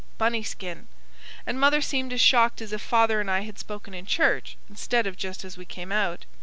Bunny skin." And mother seemed as shocked as if father and I had spoken in church, instead of just as we came out.